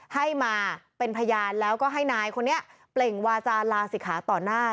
ให้มาเป็นพยานแล้วก็ให้นายคนนี้เปล่งวาจาลาศิกขาต่อหน้า